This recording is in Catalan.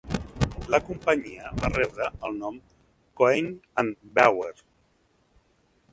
La companyia va rebre el nom Koenig and Bauer.